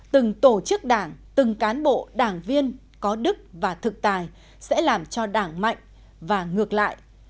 từng tổ chức đảng từng cán bộ đảng viên có đức và thực tài sẽ làm cho đảng mạnh và ngược lại